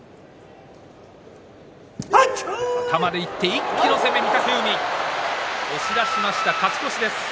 一気の攻め御嶽海押し出しました、勝ち越しです。